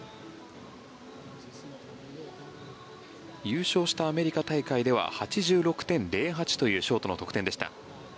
優勝したアメリカ大会では８６．０８というショートの得点でした。